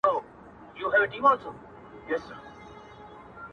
خلک بيا بحث شروع کوي ډېر،